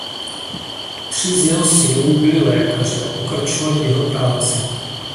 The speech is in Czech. Tři z jeho synů byli lékaři a pokračovali v jeho práci.